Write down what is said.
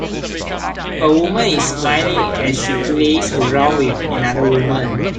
A woman is smiling as she plays around with another woman.